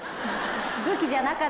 武器じゃなかったの？